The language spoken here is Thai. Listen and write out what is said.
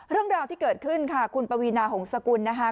เรื่องราวที่เกิดขึ้นค่ะคุณปวีนาหงษกุลนะคะ